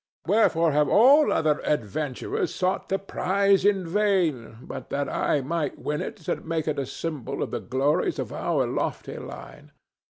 Wherefore have all other adventurers sought the prize in vain but that I might win it and make it a symbol of the glories of our lofty line?